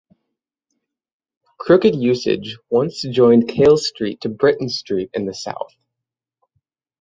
Crooked Usage once joined Cale Street to Britten Street in the south.